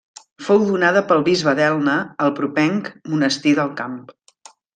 Fou donada pel bisbe d'Elna al propenc Monestir del Camp.